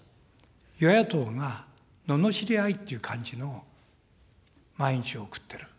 与野党がののしり合いという感じの毎日を送っている。